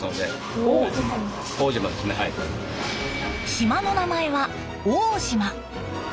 島の名前は奥武島。